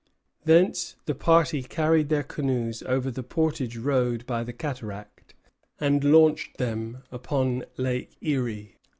Thence, the party carried their canoes over the portage road by the cataract, and launched them upon Lake Erie.